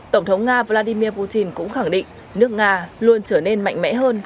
tổng thống nga vladimir putin cũng khẳng định nước nga luôn trở nên mạnh mẽ hơn